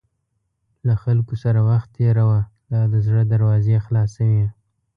له خلکو سره وخت تېروه، دا د زړه دروازې خلاصوي.